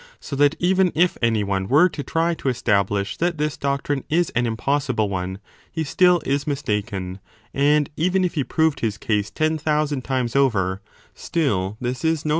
So that even if any one were to try to establish that this doctrine is an impossible one, he still is mistaken, and even if he proved his case ten thousand times over, still this is no